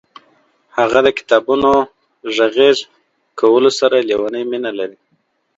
هغه د کتابونو غږیز کولو سره لیونۍ مینه لري.